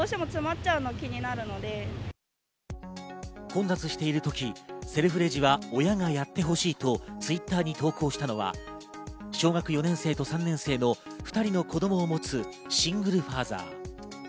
混雑している時、セルフレジは親がやってほしいとＴｗｉｔｔｅｒに投稿したのは、小学４年生と３年生の２人の子供を持つ、シングルファーザー。